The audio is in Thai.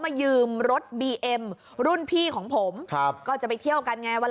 ยืมรถบีเอ็มรุ่นพี่ของผมครับก็จะไปเที่ยวกันไงวัน